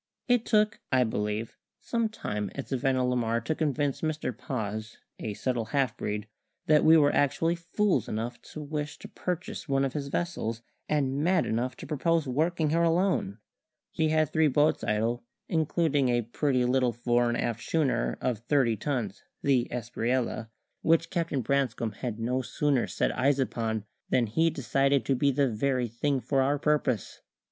It took (I believe) some time at Savannah la Mar to convince Mr Paz, a subtle half breed, that we were actually fools enough to wish to purchase one of his vessels, and mad enough to propose working her alone. He had three boats idle, including a pretty little fore and aft schooner of thirty tons, the Espriella, which Captain Branscome had no sooner set eyes upon than he decided to be the very thing for our purpose.